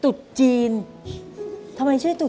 ตุ๊ดจีนทำไมชื่อตุ๊ดจีน